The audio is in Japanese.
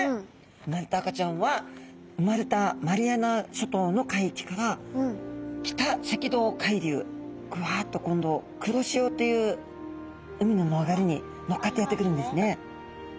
なんと赤ちゃんは生まれたマリアナ諸島の海域から北赤道海流グワッと今度黒潮という海の流れに乗っかってやって来るんですね。